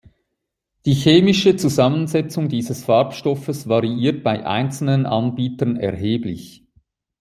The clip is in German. Die chemische Zusammensetzung dieses Farbstoffes variiert bei einzelnen Anbietern erheblich.